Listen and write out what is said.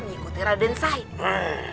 menyekuti raden saini